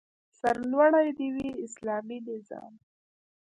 سرلوړی دې وي اسلامي نظام؟